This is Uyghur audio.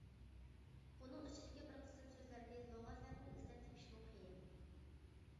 بۇنىڭ ئىچىدىكى بىر قىسىم سۆزلەرنى لۇغەتلەردىن ئىزدەپ تېپىشمۇ قىيىن.